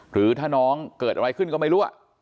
หรือถ้าน้องเกิดอะไรขึ้นก็ไม่รู้